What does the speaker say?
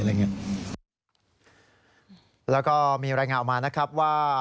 แล้วก็มีรายงานออกมานะครับว่า